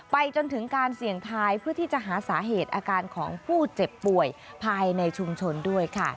จนถึงการเสี่ยงทายเพื่อที่จะหาสาเหตุอาการของผู้เจ็บป่วยภายในชุมชนด้วยค่ะ